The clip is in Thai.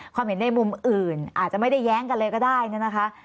เห็นในมุมอื่นอาจจะไม่ได้แย้งกันเลยก็ได้เนี่ยนะคะ